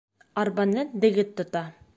Арбаны дегет тота